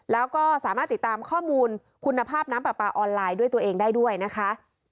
แล้วก็สามารถติดตามข้อมูลคุณภาพน้ำปลาปลาออนไลน์ด้วยตัวเองได้ด้วยนะคะ